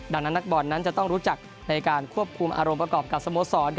ดังนั้นนักบอลนั้นจะต้องรู้จักในการควบคุมอารมณ์ประกอบกับสโมสร